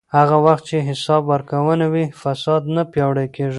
هغه وخت چې حساب ورکونه وي، فساد نه پیاوړی کېږي.